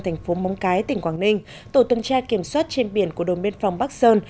thành phố móng cái tỉnh quảng ninh tổ tuần tra kiểm soát trên biển của đồn biên phòng bắc sơn